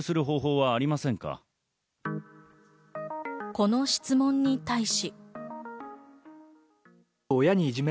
この質問に対し。